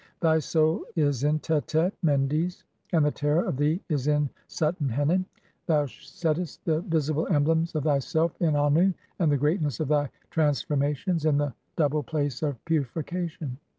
"Thy Soul is in Tettet (Mendes) and the terror of thee is in "Suten henen ; thou settest the visible emblems of thyself in "Annu and the greatness of thy transformations in the double "place of purification.